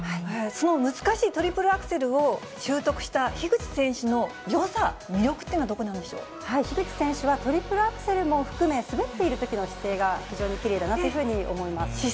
その難しいトリプルアクセルを習得した樋口選手のよさ、魅力って樋口選手はトリプルアクセルも含め、滑っているときの姿勢が非常にきれいだなというふうに思います。